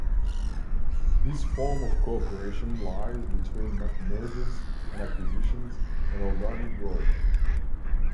This form of cooperation lies between mergers and acquisitions and organic growth.